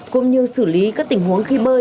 cũng như xử lý các tình huống khi bơi